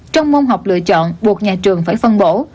trong môn học lựa chọn buộc nhà trường phải phân bổ